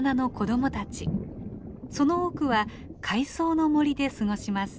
その多くは海藻の森で過ごします。